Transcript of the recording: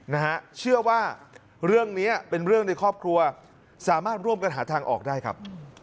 นะฮะเชื่อว่าเรื่องนี้เป็นเรื่องในครอบครัวสามารถร่วมกันหาทางออกได้ครับ